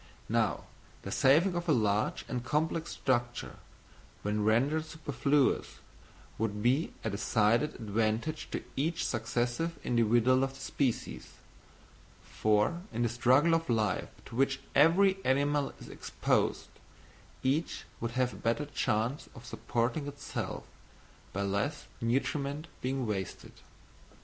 Now the saving of a large and complex structure, when rendered superfluous, would be a decided advantage to each successive individual of the species; for in the struggle for life to which every animal is exposed, each would have a better chance of supporting itself, by less nutriment being wasted.